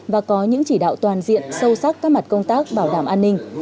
và có những chỉ đạo toàn diện sâu sắc các mặt công tác bảo đảm an ninh